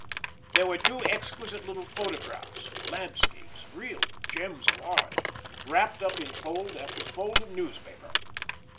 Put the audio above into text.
There were two exquisite little photographs, landscapes, real gems of art, wrapped up in fold after fold of newspaper.